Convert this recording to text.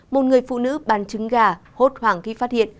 một người phụ nữ bán trứng gà hốt hoảng khi phát hiện